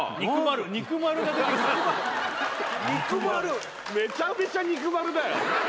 にくまるめちゃめちゃにくまるだよ